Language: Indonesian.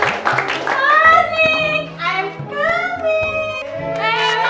dari keluarga siapa pak